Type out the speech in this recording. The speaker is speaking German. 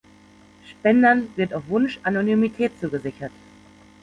Spendern wird auf Wunsch Anonymität zugesichert.